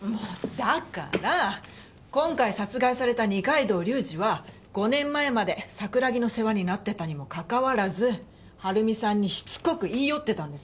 だから今回殺害された二階堂隆二は５年前まで桜木の世話になってたにもかかわらず春美さんにしつこく言い寄ってたんです。